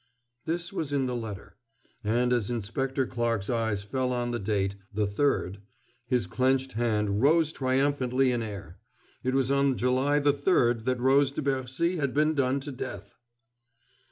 This was in the letter; and as Inspector Clarke's eyes fell on the date, "the 3d," his clenched hand rose triumphantly in air. It was on July the 3d that Rose de Bercy had been done to death!